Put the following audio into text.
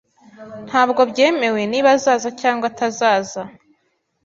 Ntabwo byemewe niba azaza cyangwa atazaza